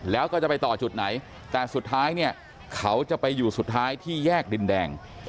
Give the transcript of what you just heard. แล้วก็จะไปต่อจุดไหนแต่สุดท้ายเนี่ยเขาจะไปอยู่สุดท้ายที่แยกดินแดง